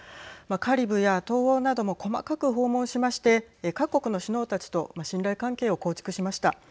カリブや東欧なども細かく訪問しまして各国の首脳たちと信頼関係を構築しました。